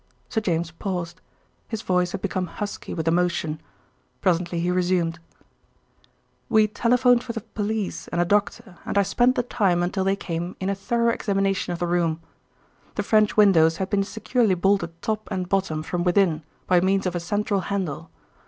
Sir James paused; his voice had become husky with emotion. Presently he resumed. "We telephoned for the police and a doctor, and I spent the time until they came in a thorough examination of the room. The French windows had been securely bolted top and bottom from within, by means of a central handle.